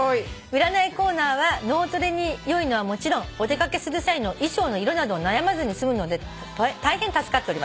「占いコーナーは脳トレによいのはもちろんお出掛けする際の衣装の色など悩まずに済むので大変助かっております」